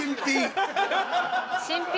新品！